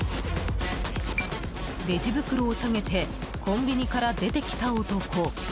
レジ袋を提げてコンビニから出てきた男。